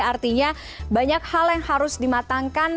artinya banyak hal yang harus dimatangkan